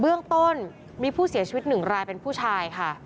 เบื้องต้นมีผู้เสียชีวิตหนึ่งรายเป็นผู้ชายค่ะ